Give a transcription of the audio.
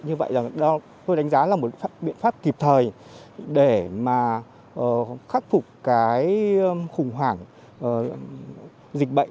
như vậy là tôi đánh giá là một biện pháp kịp thời để mà khắc phục cái khủng hoảng dịch bệnh vào thời điểm như thế này